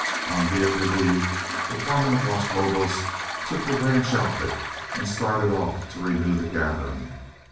On being relieved, the foreman of Los Lobos took the ranch outfit and started off to renew the gathering.